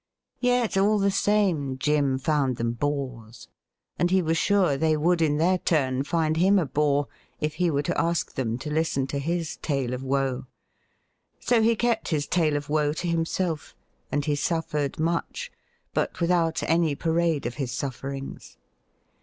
Yet, all the same, Jim found them bores, and he was sm e they would in their turn find him a bore if he were to ask them to listen to his tale of woe. So he kept his tale of woe to himself ; and he suffered much, but without any parade of his sufferings.